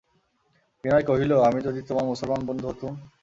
বিনয় কহিল, আমি যদি তোমার মুসলমান বন্ধু হতুম?